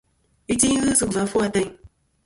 Iti ghɨ sɨ gvà ɨfwo ateyn.